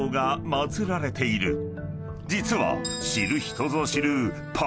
［実は］